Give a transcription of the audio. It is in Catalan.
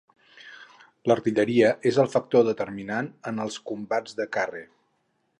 L'artilleria és el factor determinant en els combats de carre